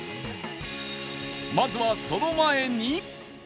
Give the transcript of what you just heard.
まずはその前に